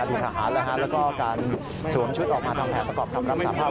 เป็นอดีตอาหารแล้วก็การสวมชุดออกมาทำแผนประกอบขับรำสามารถ